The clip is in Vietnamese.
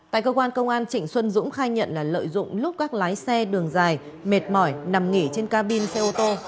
tại cơ quan công an trịnh xuân dũng khai nhận là lợi dụng lúc các lái xe đường dài mệt mỏi nằm nghỉ trên cabin xe ô tô